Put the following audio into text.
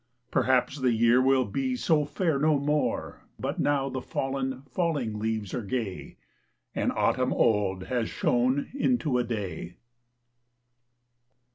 Perhaps the year will be so fair no more, But now the fallen, falling leaves are gay, And autumn old has shone into a Day!